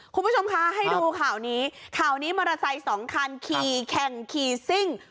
คุณผู้ชมคะให้ดูข่าวนี้ข่าวนี้มอเตอร์ไซค์สองคันขี่แข่งขี่ซิ่ง